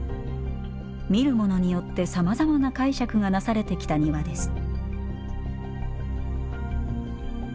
見る者によってさまざまな解釈がなされてきた庭です